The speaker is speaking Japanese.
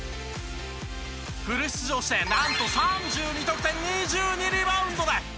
フル出場してなんと３２得点２２リバウンドで大会ＭＶＰ。